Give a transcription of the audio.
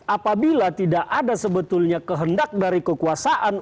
apabila tidak ada sebetulnya kehendak dari kekuasaan